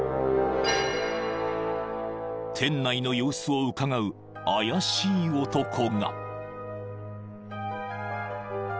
［店内の様子をうかがう怪しい男が］